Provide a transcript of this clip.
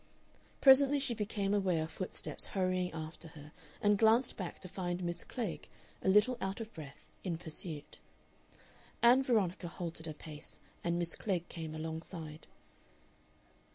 Presently she became aware of footsteps hurrying after her, and glanced back to find Miss Klegg, a little out of breath, in pursuit. Ann Veronica halted a pace, and Miss Klegg came alongside.